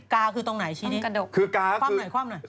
กราคือตรงไหนชินิ